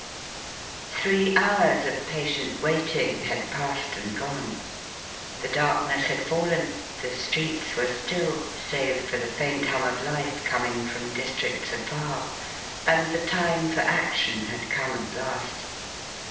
Three hours of patient waiting had passed and gone. The darkness had fallen, the streets were still, save for the faint hum of life coming from districts afar, and the time for action had come at last.